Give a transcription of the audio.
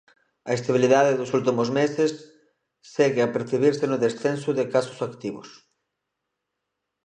A estabilidade dos últimos meses segue a percibirse no descenso de casos activos.